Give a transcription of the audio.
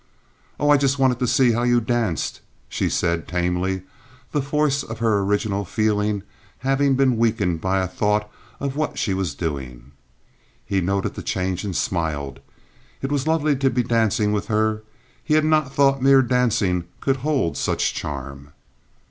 "Oh, I just wanted to see how you danced," she said, tamely, the force of her original feeling having been weakened by a thought of what she was doing. He noted the change and smiled. It was lovely to be dancing with her. He had not thought mere dancing could hold such charm.